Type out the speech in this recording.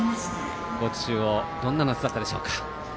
高知中央どんな夏だったでしょうか。